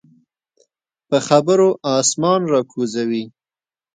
په خبرو اسمان راکوزوي.